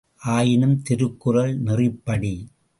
ஆயினும் திருக்குறள் நெறிப்படி.